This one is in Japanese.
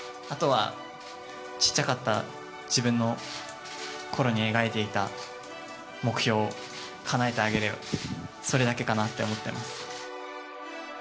あとは小っちゃかった自分のころに描いていた目標をかなえてあげる、それだけかなって思ってます。